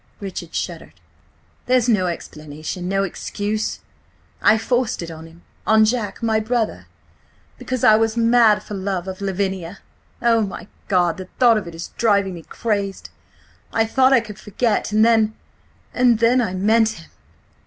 Richard shuddered. "There's no explanation–no excuse. I forced it on him! On Jack, my brother! Because I was mad for love of Lavinia— Oh, my God, the thought of it is driving me crazed! I thought I could forget; and then–and then–I met him!